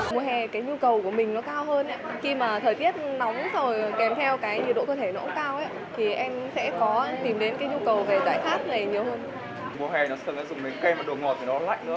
mùa hè cái nhu cầu của mình nó cao hơn khi mà thời tiết nóng rồi kèm theo cái nhiệt độ cơ thể nó cũng cao thì em sẽ có tìm đến cái nhu cầu về giải pháp này nhiều hơn